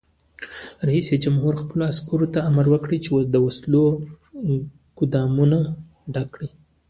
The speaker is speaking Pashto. رئیس جمهور خپلو عسکرو ته امر وکړ؛ د وسلو ګودامونه ډک کړئ!